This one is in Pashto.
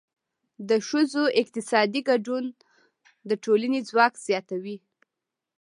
د ښځو اقتصادي ګډون د ټولنې ځواک زیاتوي.